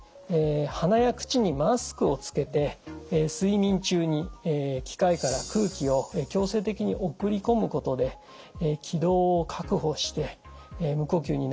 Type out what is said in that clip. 鼻や口にマスクをつけて睡眠中に機械から空気を強制的に送り込むことで気道を確保して無呼吸になるのを防ぐというような治療法です。